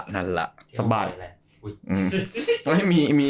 นั่นล่ะสบาย